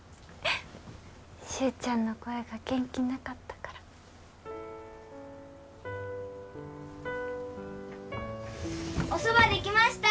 周ちゃんの声が元気なかったからおそばできました